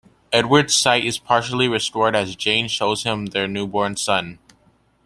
Edward's sight is partially restored as Jane shows him their new-born son.